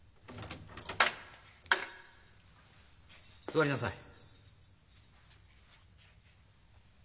座りなさい。